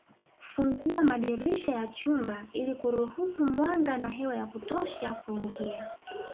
Fungua madirisha ya chumba ili kuruhusu mwanga na hewa ya kutosha kuingia